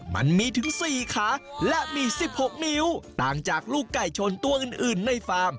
มันมีถึง๔ขาและมี๑๖นิ้วต่างจากลูกไก่ชนตัวอื่นในฟาร์ม